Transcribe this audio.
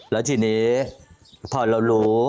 แล้วทีนี้พอเรารู้เราก็สวดมนต์เนาะ